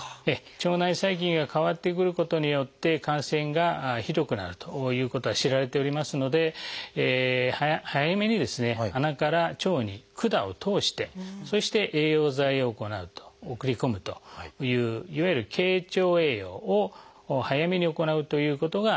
腸内細菌が変わってくることによって感染がひどくなるということは知られておりますので早めに鼻から腸に管を通してそして栄養剤を行う送り込むといういわゆる「経腸栄養」を早めに行うということが大切になります。